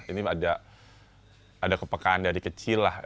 ini ada kepekaan dari kecil lah